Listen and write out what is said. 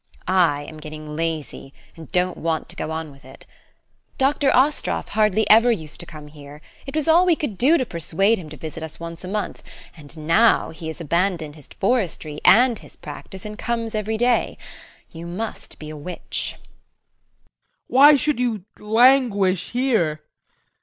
I am getting lazy, and don't want to go on with it. Dr. Astroff hardly ever used to come here; it was all we could do to persuade him to visit us once a month, and now he has abandoned his forestry and his practice, and comes every day. You must be a witch. VOITSKI. Why should you languish here?